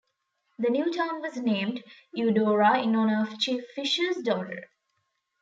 The new town was named Eudora in honor of Chief Fish's daughter.